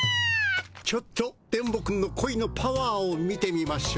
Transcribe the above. ちょっと電ボくんのこいのパワーを見てみましょう。